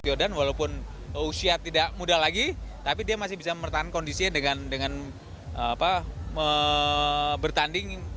jordan walaupun usia tidak muda lagi tapi dia masih bisa mempertahankan kondisinya dengan bertanding